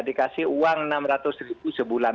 dikasih uang rp enam ratus sebulan